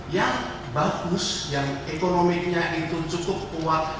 yang bagus yang ekonominya itu cukup kuat